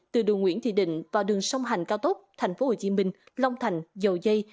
từ đường nguyễn thị định vào đường sông hành cao tốc tp hcm long thành dầu dây